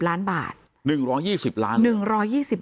และการแสดงสมบัติของแคนดิเดตนายกนะครับ